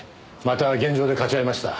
また現場でかち合いました。